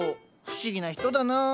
不思議な人だな。